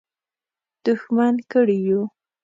دښمن کړي یو.